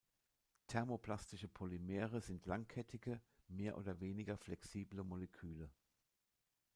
Thermoplastische Polymere sind langkettige, mehr oder weniger flexible Moleküle.